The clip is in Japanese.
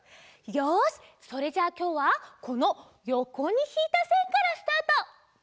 よしそれじゃあきょうはこのよこにひいたせんからスタート。